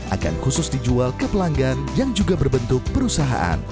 akan khusus dijual ke pelanggan yang juga berbentuk perusahaan